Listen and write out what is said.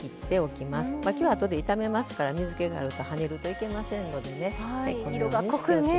きょうは、あとで炒めますから水けがあるとはねるといけませんのでね。